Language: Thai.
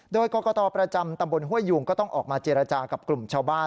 โดยกรกตประจำตำบลห้วยยูงก็ต้องออกมาเจรจากับกลุ่มชาวบ้าน